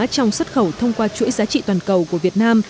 trong xuất khẩu thông qua chuỗi giá trị toàn cầu của việt nam